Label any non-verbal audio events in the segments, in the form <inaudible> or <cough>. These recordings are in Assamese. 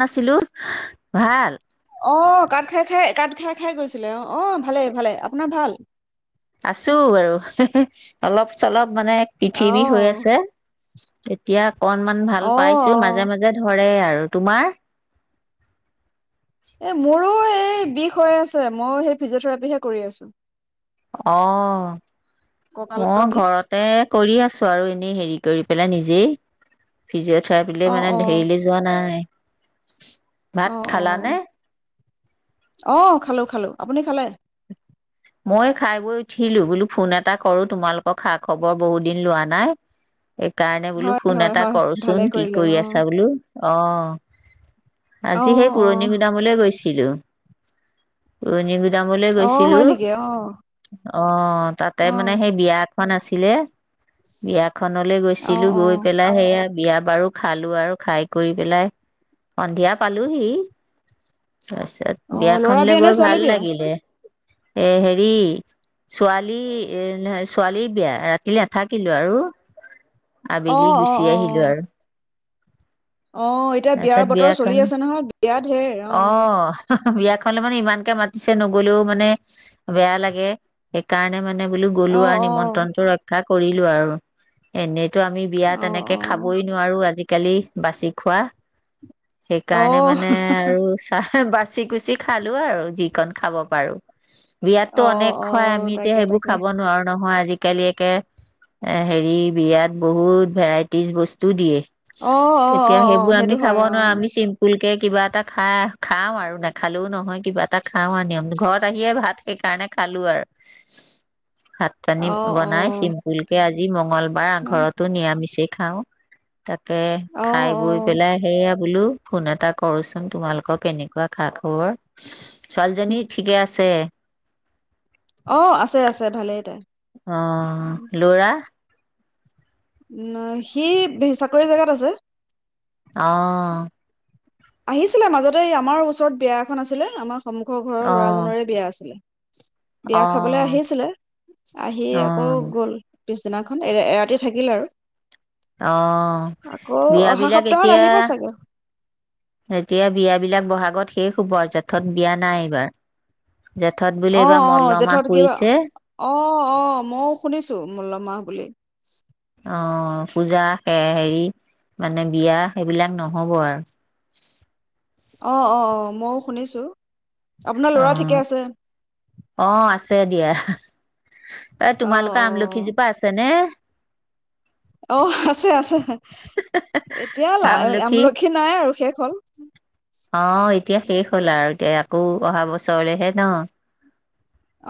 নাছিলো ভাল। অ কাঠ খাই খাই কাঠ খাই খাই গৈছিলে অ অ ভালেই ভালে আপোনাৰ ভাল আছো বাৰো অলপ চলপ। মানে পৃথিৱী হৈ অ', আছে। তেতিয়া। অকনমান ভাল অ', পাইছো মাজে অ', মাজে ধৰে আৰু। আৰু তোমাৰ। এই মোৰো এই বিষ হৈ আছে মইো সেই ফিজিঅ'থেৰাপিহে কৰি আছোঁ অ মই ও কঁকালৰ বিষ ঘৰতে। কৰি আছো আৰু এনেই হেৰি কৰি পেলাই নিজেই। অ', ফিজিঅ'থেৰাপিলৈ মানে অ', হেৰিলৈ যোৱা নাই। অ', ভাত খালা নে? অ', অ' খালোঁ-খালোঁ, আপুনি খালে? মই খাই বৈ উঠিলোঁ, বোলো ফোন এটা কৰোঁ তোমালোকৰ খা-খবৰ বহুত দিন লোৱা নাই। এইকাৰণে বোলো হয় ফোন হয় এটা হয় ভালে কৰোচোন কি কৰিলে কৰি অ', আছা বোলো। অ'। আজি সেই অ', অ', পুৰণিগুদামলৈ গৈছ লো পুৰণি গুদামলৈ অ', হয় গৈছিলোঁ, নেকি অ', অ, তাতে মানে অ', সেই বিয়া খন আছিলে, বিয়া খনলৈ অ', গৈছিলোঁ গৈ অ', পেলাই সেয়া বিয়া বাৰু খালোঁ আৰু খাই কৰি পেলাই সন্ধিয়া পালোঁহিই তাৰপিছত অ', ল'ৰা বিয়াখনলে বিয়া নে গৈ ছোৱালী ভাল বিয়া? লাগিলে। এ হেৰি ছোৱালী এ ছোৱালীৰ বিয়া ৰাতিলৈ নাথাকিলোঁ আৰু। আবেলি গুচি আহিলো আৰু অ'-অ'-অ'-অ' এতিয়া বিয়াৰ তাৰপিছত ব তৰ চলি বিয়াখন আছে নহয়। বিয়া ধেৰ অ। বিয়াখনলৈ মানে ইমানকে মাতিছে ন'গলেও মানে বেয়া লাগে সেইকাৰণে মা <unintelligible> গ'লো অ', আৰু নিমন্ত্ৰণটো অ', ৰক্ষা কৰিলোঁ আৰু এনে টো আমি বিয়া অ', তেনেকে অ'। খাবই নোৱাৰোঁ, আজি কালি বাচি খোৱা অ', সেইকাৰণে মানে আৰু। <unintelligible> কুচি কুচি খালোঁ আৰু যিকণ খাব পাৰোঁ। বিয়াততো অ', অনেক খুৱাই অ', আমি এতিয়া তাকে সেইবোৰ তাকে। খাব নোৱাৰোঁ নহয় আ আজিকালি এ হেৰি বিয়াত বহুত ভেৰাইটিজ বস্তু দিয়ে। এতিয়া সেইবোৰ অ'-অ'-অ'-অ' আমি সেইটো খাব হয় অ। নোৱাৰো আমি চিম্পুল কে কিবা এটা খাই খাওঁ আৰু নেখালেও নহয় কিবা এটা খাওঁ আৰু নিয়ম ঘৰত আহিয়েই ভাত সেইকাৰণে খালোঁ আৰু। ভাত পানী অ', বনাই অ', চিম্পুলকে আজি যি মংল বাৰ অ', ঘৰতো নিয়ামিচেই খাওঁ। তাকে খাই বৈ অ', পেলাই সেয়া বোলো। ফোন এটা কৰোচোন তোমালোকৰ কেনেকুৱা খা খবৰ? ছোৱালীজনী ঠিকে আছে? অ', আছে আছে ভালেই তাই। অ', ল'ৰা। নাই সি চাকৰি জেগাত আছে। অ'। আহিছিলে মাজতে এই আমাৰ ওচৰত বিয়া এখন আছিলে আমাক সন্মুখৰ ঘৰৰ অ ল'ৰাজনৰে বিয়া আছিলে। বিয়া অ খাবলৈ আহিছিলে আহি অ আকৌ গ'ল। পিছদিনাখন এ এ ৰাতি থাকিলে আৰু। অ' আকৌ বিয়া অহা বিলাক সপ্তাহত এতিয়া, আহিব চাগে। এতিয়া বিয়াবিলাক বহাগত শেষ হ'বৰ জেঠত বিয়া নাই এইবাৰ। জেঠত বোলে এইবাৰ অ' অ' মল্লমাহ জেঠত কিবা পৰিছে অ অ মইও শুনিছো মল্লমাহ বুলি। অ পূজা সে হেৰি মানে বিয়া সেইবিলাক নহব আৰু। অ', অ', অ' মইও শুনিছো। আপোনাৰ অ, ল'ৰা ঠিকে আছে? অ, আছে। এয়া এ অ তোমালোকৰ আমলখিজোপা আছে নে? অ' আছে আছে এতিয়া আমলখি নাই আৰু শেষ হল। এ আকৌ অহা বছৰলেহে ন,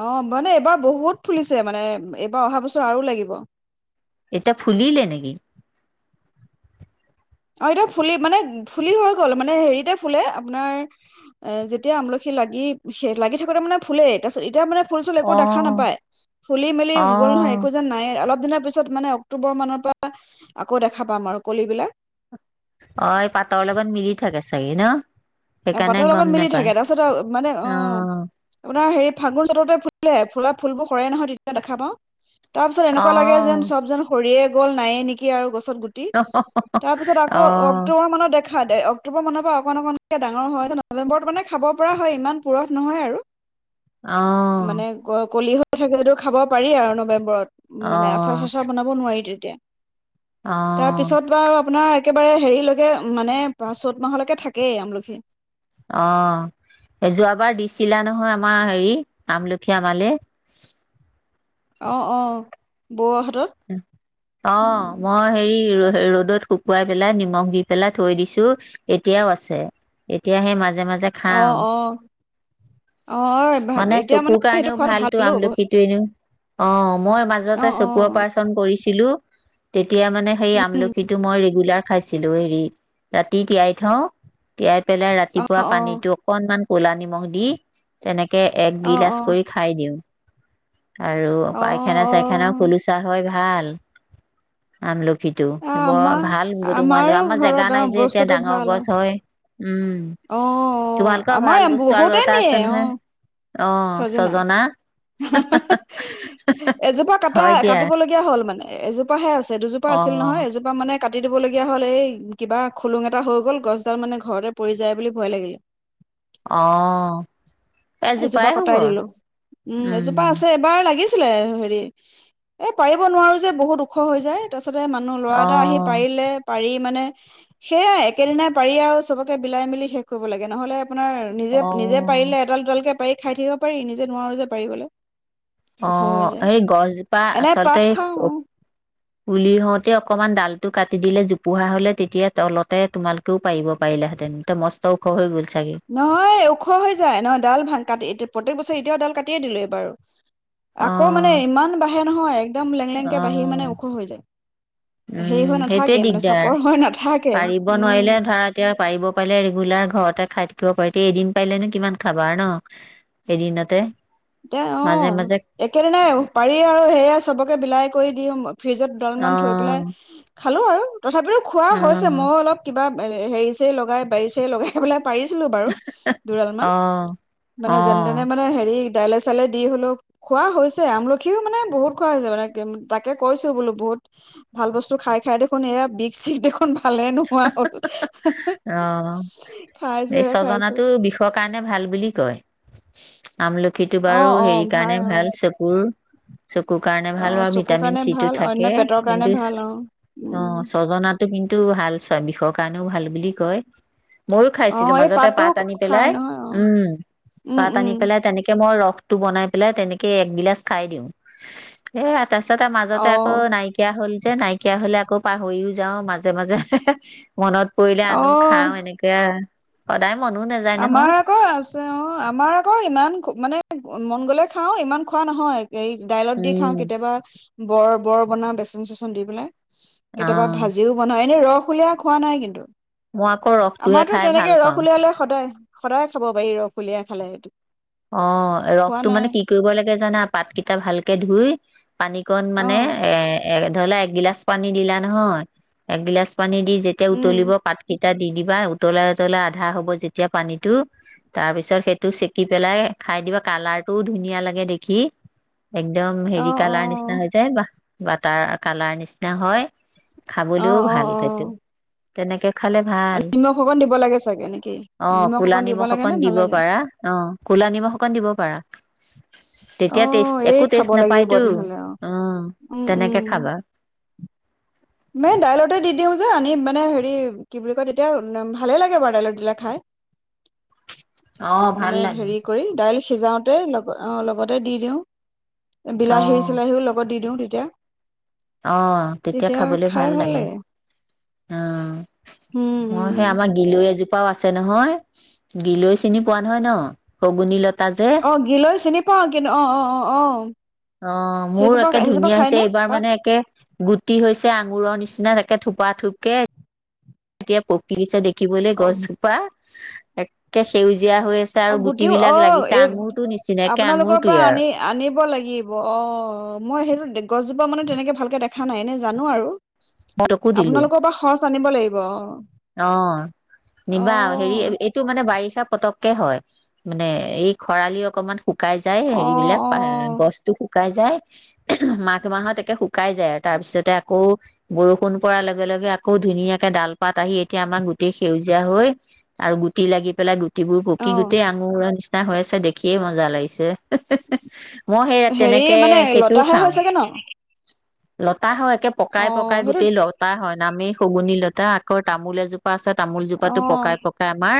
অ মানে এইবাৰ বহুত ফুলিছে মানে এইবাৰ অহা বছৰ আৰু লাগিব। এতিয়া ফুলিলে নেকি? অ এতিয়া ফুলি মানে ফুলি হৈ গল। মানে হেৰিতে ফুলে আপোনাৰ এ যেতিয়া আমলখি লাগি, লাগি থাকোতে মানে ফুলেই তাৰপিছত এতিয়া মানে, ফুল চুল একো অ দেখা নাপায়। ফুলি মেলি অ গ'ল নহয় একো যেন নাই অলপ। কিছুদিনৰ পিছত মানে অক্টোবৰ মানৰ পৰা আকৌ দেখা পাম আৰু কলি বিলাক। অ', এই পাটৰ লগত মিলি থাকে। চাগে ন, সেইকাৰণে পাতৰ গম লগত মিলি থাকে নাপায় তাৰপিছত মানে অ আপোনাৰ হেৰি ফাগুন চততে ফুলে ফুলা ফুলবোৰ খৰে নহয় তেতিয়া দেখা পাওঁ। তাৰ পিছত অ এনেকুৱা লাগে যেন চব যেন সৰিয়ে গল নায়ে নেকি আৰু। গছত গুটি অ তাৰপিছত অ আকৌ অক্টোবৰ মানত দেখা- দেখা অক্টোবৰ মানৰ-পৰা অকণ অকণ। ডাঙৰ হয় নৱেম্বৰত মানে খাব পৰা হয় ইমান পুৰঠ নহয় আৰু। মানে কলি। থাকটো খাব পাৰি আৰু নৱেম্বৰত। উ অ মানে আচাৰ চাচাৰ বনাব নোৱাৰি। এতিয়া। অ তাৰপিছত বাৰু আপোনাৰ। একেবাৰে হেৰিলৈকে মানে প চ'ত মাহলৈকে থাকে। এই আমলখি। অ যোৱাবাৰ দিছিলা নহয় আমাৰ হেৰি আমলখি আমালে। অ'-অ' বৌহ'ত। অ' মই হেৰি ৰ। ৰ'দত শুকুৱাই পেলাই নিমখ দি পেলাই থৈ দিছো এতিয়াও আছে এতিয়া হেই মাজে। মাজে মাজে অ খাওঁ অ অ ভাল মানে এতিয়া চকুৰ সেইটো কাৰণেও খোৱাটো ভালতো ভালো বহুত আমলখিটো এনেও অ মই অ মাজতে অ চকুৰ। কৰিছে। ছিলো তেতি। তেতিয়া মানে সেই আমলখিটো মই ৰেগুলাৰ। খাইছিলো হেৰি ৰাতি তিয়াই থওঁ তিয়াই। পেলাই অ ৰাতিপুৱা অ পানীতটো অকনমান। ক'লা নিমখ দি তেনেকে। অ একগিলাচ অ কৰি খাই দিওঁ। আৰু অ অ পাইখানা অ চাইখানাও খুলোচা। হয় ভাল আমলখি। পিটো আ, বৰ আমাৰ ভাল <unintelligible> আমাৰো আমাৰ ঘৰত জেগা অ নাই যে এতিয়া বস্তুটো ডাঙৰ ভাল গছ হয়। উম অ অ তোমালোকৰ আমাৰ ভাল এ বস্তু আৰু বহুতে এটা নিয়ে আছে অ নহয় ছজনা এজোপা কাটা। হয় দিয়া কাটিবলগীয়া হ'ল। মানে এজোপাহে আছে। দুজোপা আছিল অ নহয় এজোপা মানে। কাটি দিব লগগীয়া হ'ল এই কিবা খুলুং এটা হৈ গ'ল গছডাল মানে ঘৰতে। পৰি যায় বুলি ভয় লাগিলে অ'। এজোপা এজোপাই হ'ব কটাই দিলোঁ। উম, এজোপা আছে এবাৰ লাগি লাগিছিলে। হেৰি, এই পাৰিব নোৱাৰোঁ যে, বহুত ওখ হৈ যায়। তাৰপিছত ছতে মানুহ, ল'ৰা এটা আহি অ', পাৰিলে পাৰি, মানে, সেয়াই একেদিনাই পাৰি আৰু চবকে বিলাই, মেলি শেষ কৰিব লাগে, নহ'লে আপোনাৰ নিজে, নিজে অ', পাৰিলে এডাল কে পাৰি খাই থাকিব পাৰি। নিজে নোৱাৰোঁ যে পাৰিবলৈ অ', সেই গছজোপা এনে আচলতে, পাত খাওঁ অ পুলি হওঁতে অকমান ডাল টো কাটি দিলে, জোপোহা হ'লে, তেতিয়া তলতে তোমালোকেও পাৰিব পাৰিলা হেঁতেন। মস্ত ওখ হৈ গ'ল চাগে। নহয়, ওখ হৈ যায়। নহয়, ডাল ভাং, কাটি এতিয়া প্ৰত্যেক বছৰে য়া ডাল কাটিয়ে দিলোঁ। এইবাৰো অ', আকৌ, মানে, ইমান বাঢ়ে নহয়। একদম লেং-লেংকে বাঢ়ি, মানে, অ', ওখ হৈ যায়। হেৰি উম, হৈ নাথাকে সেইটোৱেই মানে দিগদাৰ। চাপৰ হৈ নাথাকে পাৰিব উম নোৱাৰিলে, ধৰা, এতিয়া পাৰিব পাৰিলে ৰেগুলাৰ ঘৰতে খাই থাকি কিবা পাৰি। এতিয়া এদিন পাৰিলেনো, কিমান খাবা আৰু ন, এদিনতে এ, মাজে অ'। মাজে একেদিনাই পাৰি আৰু সেয়া চবকে বিলাই কৰি দিওঁ ফ্ৰিজত দুডালমান থৈ পেলাই অ', খালো, আৰু তথাপিও খোৱা হৈছে। অ', ময়ো অলপ কিবা হেৰি-চেৰি লগাই, বাৰি-চাৰি লগাই পেলাই পাৰিছিলোঁ বাৰু। দুডালমান, অ', মানে, যেন-তেনে, অ', মানে, হেৰি দাইলে-চাইলে দি হ'লেও খোৱা হৈছে। আমলখিও, মানে, বহুত খোৱা হৈছে। মানে, তাকে কৈছোঁ, বোলো, বহুত ভাল বস্তু খাই-খাই দেখোন, এয়া, বিষ-চিষ দেখোন ভালে নোহোৱা হ'ল অ', এই খাইছোহে খাইছো ছজনাতটো বিষৰ কাৰণে ভাল বুলি কয়। <inaudible> আমলখিটো বাৰু, অ' অ' হেৰি, ভাই কাৰণে অ' ভাল। চকুৰ চকুৰ কাৰণে অ ভাল হয়, আৰু চকুৰ কাৰণে ভিটামিন-চি'টো ভাল অন্য থাকে। পেটৰ কাৰণে কিন্তু, ভাল অ উম অ', ছজনাত কিন্তু ভাল। চব, বিষৰ কাৰণেও ভাল বুলি কয়। ময়ো অ খাইছিলোঁ। এই মাজতে পাতটো পাত আনি খাই পেলাই। নহয় অ উম, উম পাত উম আনি পেলাই। তেনেকে মই ৰস ৰসটো বনাই পেলাই, তেনেকে এক গিলাচ খাই দিওঁ। এ তাৰ পিছতে, মাজতে অ আকৌ, নাইকিয়া হ'ল নাইকিয়া হ'লে, আকৌ পাহৰিও যাওঁ। মাজে-মাজে, হে-হে। মনত পৰিলে অ আনোঁ। খাওঁ এনেকে সদায় মনো নাযায় নহয় আমাৰ আকৌ আছে অ' আমাৰ আকৌ ইমান মানে মন গ'লে খাওঁ ইমান খোৱা নহয়। এই দাইলত দি খাওঁ উম কেতিয়াবা, বৰ বৰ বনাও বেচন চেচন দি পেলাই, কেতিয়াবা অ', ভাজিও বনোৱা এনে ৰস খোলীয়া খোৱা নাই কিন্তু, মই আকৌ ৰসটোহে আমাৰতো খাই তেনেকে ভাল ৰস পাওঁ। উলিয়ালে সদায় সদায় খাব পাৰি ৰস কলিয়াই খালে সেইটো। অ খোৱা ৰসটো নাই মানে কি কৰিব লাগে জানা পাতকেইটা ভালকে ধুই, পানীকণ অ মানে এ এ ধৰিলা একগিলাচ পানী দিলা নহয় এগিলাচ, পানী দি যেতিয়া উম উতলিব পাতকেইটাত, দি দিবা উতলাই উতলাই আধা হ'ব যেতিয়া পানীতটো তাৰপিছত সেইটো চেকি পেলাই খাই দিবা কালাৰটোও ধুনীয়া লাগে দেখি। একদম অ হেৰি অ কালাৰ নিচিনা হৈ যায় বা ৱাটাৰ কালাৰ নিচিনা হয়। অ খাবলৈও অ ভাল সেইটো, তেনেকে খালে অ', ভাল। নিমখ অকণ দিব লাগে চাগে নেকি? অ নিমখ ক'লা অকণ দিব লাগে নে দিব নালাগে? পাৰা অ ক'লা নিমখ অকণ দিব পাৰা। তেতিয়া টেষ্ট অ' এই একো খাব টেষ্ট লাগিব নাপাইতো তেনেহ'লে অ'। উম, উম, তেনেকে খাবা। মে দাইলতে দি দিওঁ যে, আনি মানে হেৰি কি বুলি কয় তেতিয়া ভালেই লাগে বাৰু দাইলত দিলে খাই। অ ভাল মানে লাগে হেৰি কৰি দাইল সিজাওঁতে লগ অ', লগতে দি দিওঁ। অ বিলাহী চিলাহীও লগত দি দিওঁ‌ তে <inaudible> অ'। তেতিয়া খাই ভাল লাগে। অ'। উম, মই সেই উম। আমাৰ গিলো এযো পাও আছে নহয় গিলৈ চিনি পোৱা নহয় ন? সগুনি লতা যে অ', গিলৈ চিনি পাওঁ কিনো অ', অ', অ', অ'। অ', মোৰ সেইজোপা একে সেইজোপা ধুনীয়া হৈছে, খায়নে এইবাৰ পাত? মানে একে গুটি হৈছে আঙুৰৰ নিচি না এনেকে থোপা থোপকে এতিয়া পকীছে দেখ কি বলে অ' গছজোপা একে সেউজ অ গুটি অ এই আঙুৰটো নিচিনা একে আপোনালোকৰ পৰা আঙুৰটোৱে আৰু আনি আনিব লাগিব অ মই সেইটো গছজোপা মানে তেনেকৈ ভালকৈ দেখা নাই, এনে জানো আৰু। মই তকো দিলো আপোনালোকৰ পৰা সচ আনিব লাগিব, অহ। অ নিবা হেৰি এইটো মানে বাৰিষাত পতককে হয়, মানে এই খৰালি অকনমান। শুকাই যায় অ হেৰিবলাক অ গছতো শুক শুকাই যায়। মাঘ মাহত একে শুকাই যায় আৰু তাৰ পিছতে আকৌ বৰষুণ পৰাৰ লগে-লগে আকৌ ধুনীয়াকে ডাল পাত আহি এতিয়া আমাৰ গুটি সেউজীয়া হৈ আৰু গুটি লাগি পেলাই তিবোৰ পকি অ গোটেই আঙুৰ <unintelligible> <unintelligible> হৈ আছে দেখিয়ে মজা লাগিছে। মই সেই হেৰি তেনেকে মানে সেইটোও লতাহে খাওঁ হয় চাগে, ন? লতা হয় কে অ পকাই পকাই সেইটো গোটেই লতা হয়। নামেই শগুনী লতা। ক তামোল এজো পা আছে তামোল অ জোপাটো পকাই-পকাই আমাৰ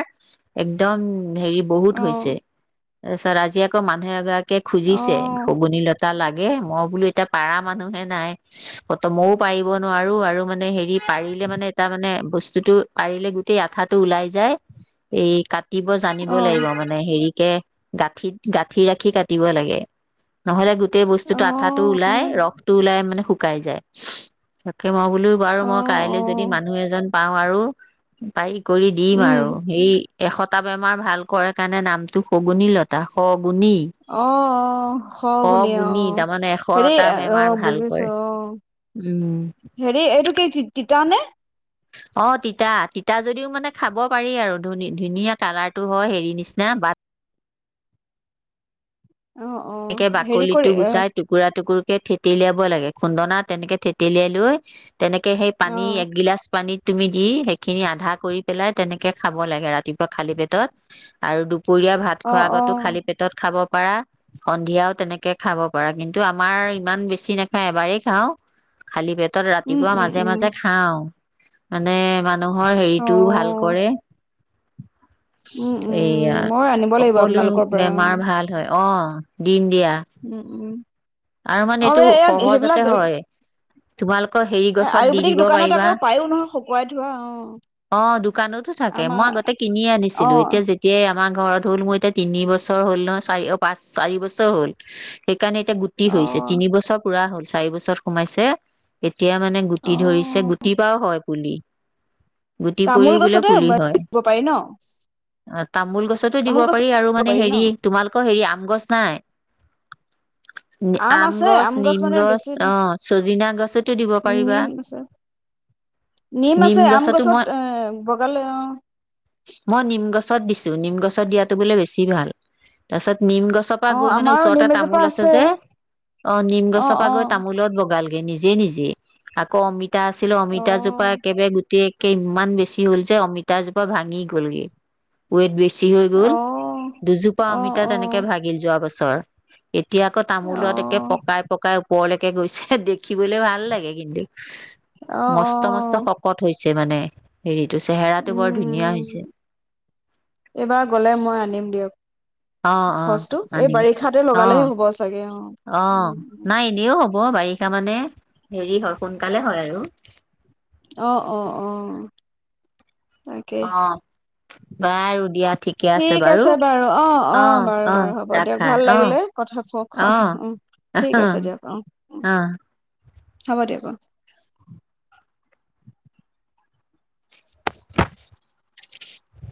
একদম হেৰি বহুত অ হৈছে। তাৰ পিছত আজি আকৌ মানুহ এগৰাকী কে অ অ খুজিছে শগুনীলতা লাগে এই, মই বোলো এতিয়া পাৰা মানুহে নাই, মইও পাৰিব নোৱাৰোঁ আৰু ম হেৰি, পাৰিলে মানে এটা মানে বস্তুটো পাৰিলে গোটেই আঠাটো ওলাই যায়, এই কাট তিব জানিব লাগিব মানে, হেৰিকে গাঁঠিত গাঁঠি ৰাখি কাটিব লাগে, নহ'লে গো গোটেই অ বস্তুটো আঠাটো ওলায়, ৰসতো ওলায় মানে সুক শুকাই যায়, তাকে মই বোলো বাৰু অ অ মই কাইলৈ যদি মানুহ এজন পাওঁ আৰু বাৰি কৰি দিম উম আৰু এই এশত লতা বেমাৰ ভাল কৰে কাৰণে নামটো শগুনী লতা। শগ অ', অ', শগুনি, শগুনী অ', তাৰমানে হেৰি এশটা অ', বেমাৰ ভাল কৰে বুজিছোঁ, অ', উম হেৰি এইটো কি-কি-কি তিতা নে? অ', তিতা, তিতা যদিও মানে খাব পাৰি আৰু ধুনি-ধুনীয়া কালাৰটো হয়, হেৰি নিচিনা বাট অ অ একে হেৰি কৰি বাকলিটো অ গুচাই টুকুৰা-টুকুৰ কে থেতেলিয়াব লাগে, খুন্দনাত তেনেকে থেতেলিয়াই লৈ তেনেকে সেই পানী অ' একগিলাচ পানীত তুমি দি সেইখিনি আধা কৰি পেলাই তেনেকে খাব লাগে ৰাতিপুৱা খালি পেটত আৰু দুপ পুৰীয়া ভাত অ খোৱাৰ অ আগতো খালী পেটত খাব পাৰা। সন্ধিয়াও তেনেকে খাব পাৰা কিন্তু আমাৰ ইমান বেছি নেখায় এবাৰেই খাওঁ, খালী পেট টত উম ৰাতিপুৱা উম মাজে উম মাজে খাওঁ। মানে। মানুহৰ অ হেৰিটোও ভাল কৰে। উম উম এইয়া উম মই আনিব লাগিব সকলো আপোনালোকৰ পৰা অ। বেমাৰ ভাল হয় অ। দিম দিয়া উম উম। আৰু মানে অ এইটো বাইদেউ এয়া সেইবিলাক সহজতে হয়। তোমাৰলো। আকৌ হেৰি গছত দি আয়ুৰ্বেদিক দিব দোকানত পাৰিবা আকৌ পায়ো নহয় শুকুৱাই থোৱা অ অ দোকানতো থাকে মই আমাৰ আগতে কিনি অ আনিছিলো এতিয়া যেতিয়াই। আমাৰ ঘৰত হ'ল মোৰ এতিয়া তিনি বছৰ হল ন চাৰি পাঁচ চাৰি বছৰ হ'ল সেইকাৰণে এতিয়া। অ হৈছে তিন বছৰ পুৰা হ'ল। চাৰি বছৰত সোমাইছে। তেতিয়া মানে গুটি অ ধৰিছে গুটিৰ পৰাও হয়। পুলি। গুটি তামোল পৰিও বোলে গছতে পুলি হয় দিব পাৰি ন। অ'। তামোল গছতো দিব তামোল গছ পাৰি আৰু মানে পাৰি ন হেৰি তোমালোকৰ হেৰি আম গছ নাই। আম আছে গছ, নিম মানে গছ, বেছি দাম। অহ চজিনা গছতো দিব পাৰিবা নিম আছে নিম আছে আম গছতো গছত এ বগালে অ মই-মই নিম গছত দিছ। নিম গছত দিয়াতটো বোলে বেছি ভাল তাৰ পিছত। নিম গছৰ পৰা অ গৈ মানে আমাৰো ওচৰতে নিম এজোপা তামোল আছে যে। অ, মোৰ নিম অ গছৰ পা অ গৈ তামোলত বগাল নিজে নিজে আকৌ অমিত তা আছিল, অ অমিতাজোপা একবাৰে গোট তে একে ইমান বেছি হ'ল যে, অমিতাজোপা ভাঙি গ'লগে। ৱেট বেছ চি হৈ গল অ', দুজোপা অ', অমিতা তেনেকে অ', ভাগিল যোৱা বছৰ এতিয়া তামোলত একে পকাই-পকাই ওপৰলৈকে গৈছে, দেখিবলৈ ভাল লাগে কিন্তু। অ', মস্ত মস্ত অ', শকত হৈছে যে মানে, হেৰিত উম এইবাৰ গলে মই আনিম অ দিয়ক অ সচটো এই আনিবা বাৰিষাতে অ লগালেহে হব চাগে অ অ উম, উম। নাই এনেও হ'ব অ', বাৰিষা মানে হেৰি হয়, সোনকালে হয় আৰু। আহ অ অ তাকেই অ বাৰু দিয়া ঠিকে ঠিক আছে বাৰু, অ', অ', বাৰু-বাৰু হ'ব দিয়ক, ৰাখা ভাল অ লাগিলে কথা অ ঠিক অ আছে দিয়ক অ', অ'। হ'ব দিয়ক। অ।